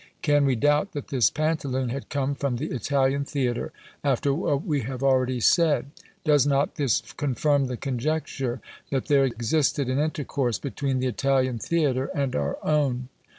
Can we doubt that this Pantaloon had come from the Italian theatre, after what we have already said? Does not this confirm the conjecture, that there existed an intercourse between the Italian theatre and our own?